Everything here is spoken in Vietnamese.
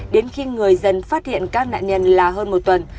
đến khi người dân phát hiện các nạn nhân là hơn một tuần